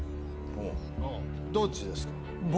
どっちですか？